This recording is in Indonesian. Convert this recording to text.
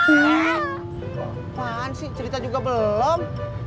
apaan sih cerita juga belum